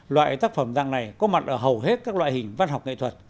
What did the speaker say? loại tác phẩm răng này có mặt ở hầu hết các loại hình văn học nghệ thuật